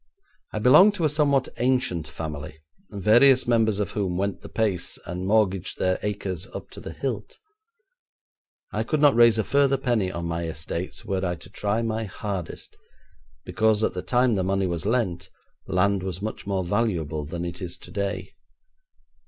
I belong to a somewhat ancient family, various members of whom went the pace, and mortgaged their acres up to the hilt. I could not raise a further penny on my estates were I to try my hardest, because at the time the money was lent, land was much more valuable than it is today.